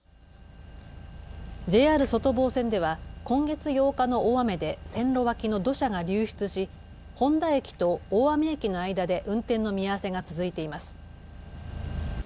ＪＲ外房線では今月８日の大雨で線路脇の土砂が流出し誉田駅と大網駅の間で運転の見合わせが続いています。